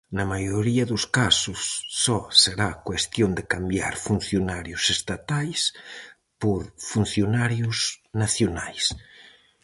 Na maioría dos casos só será cuestión de cambiar funcionarios estatais por funcionarios nacionais.